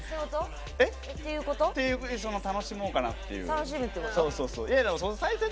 それを楽しもうかなっていう。